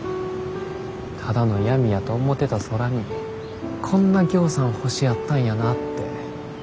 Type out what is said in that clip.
ただの闇やと思てた空にこんなぎょうさん星あったんやなって。